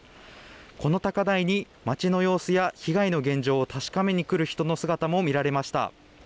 この高台に町の様子や被害の現状を確かめに来る人の姿も見られました。